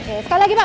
oke sekali lagi pak